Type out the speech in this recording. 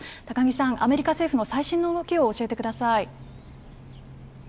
高木さんアメリカ政府の最新の動きを教えてください。